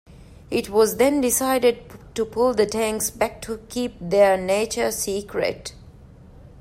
It was then decided to pull the tanks back to keep their nature secret.